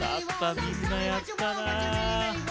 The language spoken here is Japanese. みんな、やったな。